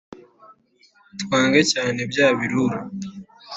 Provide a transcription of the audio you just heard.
twange cyane bya birura